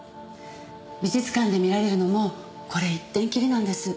美術館で見られるのもこれ一点きりなんです。